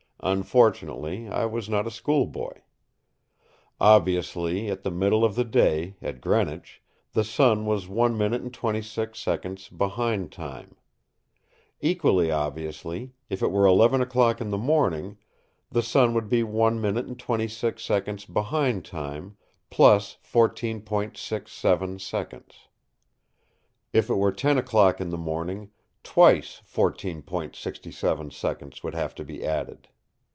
Unfortunately, I was not a schoolboy. Obviously, at the middle of the day, at Greenwich, the sun was 1 minute and 26 seconds behind time. Equally obviously, if it were eleven o'clock in the morning, the sun would be 1 minute and 26 seconds behind time plus 14.67 seconds. If it were ten o'clock in the morning, twice 14.67 seconds would have to be added.